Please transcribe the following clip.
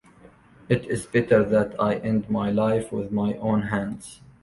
It is better that I end my life with my own hands.